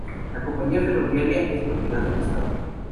La compañía ferroviaria es propiedad del Estado.